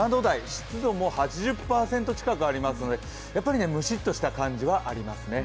湿度も８０％近くありますので蒸しっとした感じはありますね。